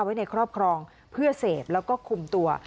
ไว้ในครอบครองเพื่อเสพแล้วก็คุมตัว